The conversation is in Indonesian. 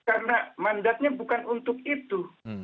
karena mandatnya bukan untuk itu